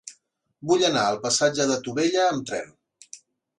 Vull anar al passatge de Tubella amb tren.